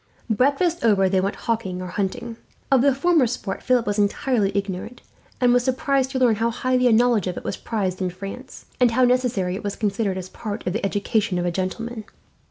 Breakfast over, they went hawking or hunting. Of the former sport Philip was entirely ignorant, and was surprised to learn how highly a knowledge of it was prized in France, and how necessary it was considered as part of the education of a gentleman.